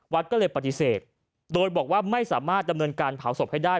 วัดก็เลยปฏิเสธโดยบอกว่าไม่สามารถดำเนินการเผาศพให้ได้